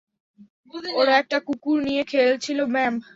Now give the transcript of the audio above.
ওরা একটা কুকুর নিয়ে খেলছিল, ম্যাম।